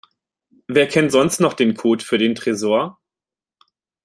Wer kennt sonst noch den Code für den Tresor?